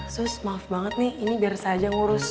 sus maaf banget nih ini biar saja ngurus